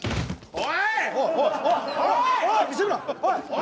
おい！